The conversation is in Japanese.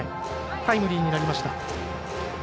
タイムリーになりました。